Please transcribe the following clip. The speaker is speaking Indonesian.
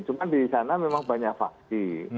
cuma di sana memang banyak vaksi